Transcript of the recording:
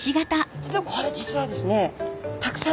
これ実はですね